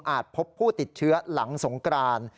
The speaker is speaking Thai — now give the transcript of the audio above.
พบผู้ติดเชื้อหลังสงกราน